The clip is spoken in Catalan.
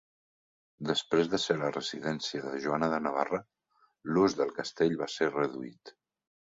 Després de ser la residència de Joana de Navarra, l'ús del castell va ser reduït.